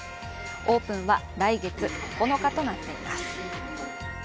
オープンは来月９日となっています